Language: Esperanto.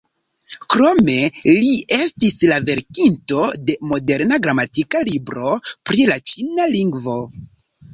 Krome li estis la verkinto de moderna gramatika libro pri la ĉina lingvo.